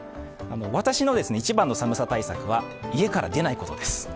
私の一番の寒さ対策は家から出ないことです。